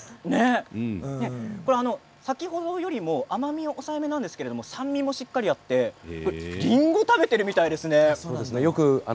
先ほどより甘みが抑えめなんですが酸味もしっかりあってりんごを食べているみたい。